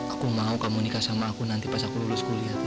aku mau kamu nikah sama aku nanti pas aku lulus kuliah